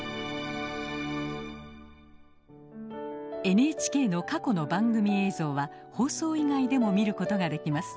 ＮＨＫの過去の番組映像は放送以外でも見ることができます。